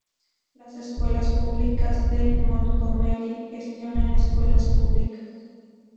Las Escuelas Públicas de Montgomery gestiona escuelas públicas.